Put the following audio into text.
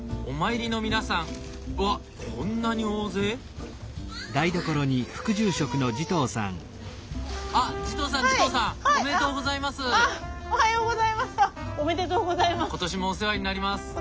おめでとうございます！